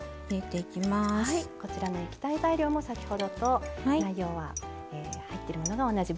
こちらの液体材料も先ほどと材料は入ってるものが同じ。